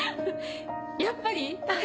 やっぱり？